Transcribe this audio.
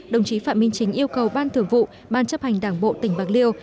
đồng chí phạm minh chính yêu cầu ban thưởng vụ ban chấp hành đảng bộ tỉnh bạc liêu